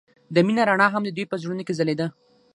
د مینه رڼا هم د دوی په زړونو کې ځلېده.